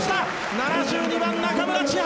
７２番、中村千颯！